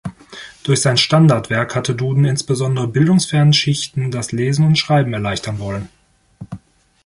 Durch sein Standardwerk hatte Duden insbesondere bildungsfernen Schichten das Lesen und Schreiben erleichtern wollen.